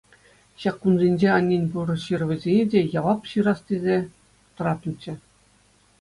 Ҫак кунсенче аннен пур ҫырӑвӗсене те явап ҫырас тесе тӑраттӑмччӗ.